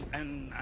あ？